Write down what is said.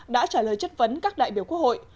đã trả lời chất vấn các đại biểu quốc hội